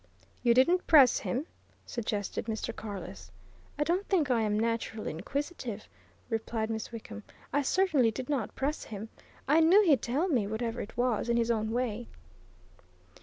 "You didn't press him?" suggested Mr. Carless. "I don't think I am naturally inquisitive," replied Miss Wickham. "I certainly did not press him. I knew he'd tell me, whatever it was, in his own way."